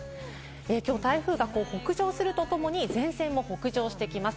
きょう台風が北上するとともに前線も北上してきます。